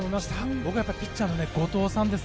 僕はピッチャーの後藤さん。